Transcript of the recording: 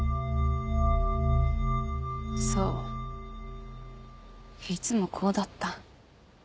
そういつもこうだった。